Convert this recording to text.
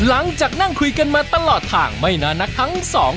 นั่งคุยกันมาตลอดทางไม่นานนักทั้งสอง